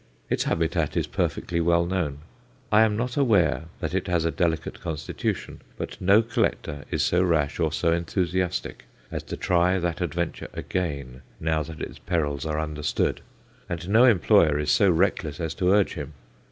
Its habitat is perfectly well known. I am not aware that it has a delicate constitution; but no collector is so rash or so enthusiastic as to try that adventure again, now that its perils are understood; and no employer is so reckless as to urge him.